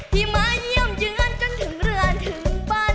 ที่มาเยี่ยมเยือนจนถึงเรือนถึงบ้าน